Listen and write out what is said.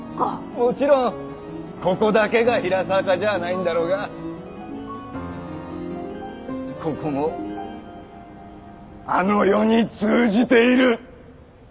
もちろんここだけが「比良坂」じゃあないんだろうがここも「あの世」に通じているッ！